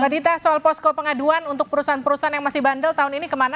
mbak dita soal posko pengaduan untuk perusahaan perusahaan yang masih bandel tahun ini kemana